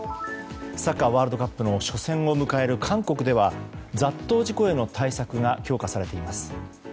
サッカーワールドカップの初戦を迎える韓国では雑踏事故への対策が強化されています。